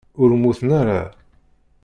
Ur mmuten ara.